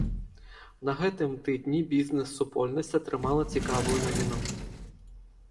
На гэтым тыдні бізнэс-супольнасць атрымала цікавую навіну.